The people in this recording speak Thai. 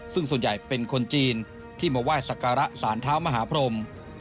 ซึ่งส่วนใหญ่เป็นคนจีนที่มาไหว้สักการะสารเท้ามหาพรม